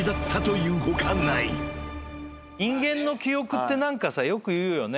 人間の記憶って何かさよく言うよね。